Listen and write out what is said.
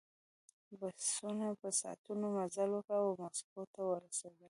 بسونو په ساعتونو مزل وکړ او مسکو ته ورسېدل